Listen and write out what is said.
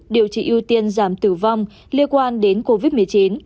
điều trị ưu tiên giảm tử vong liên quan đến covid một mươi chín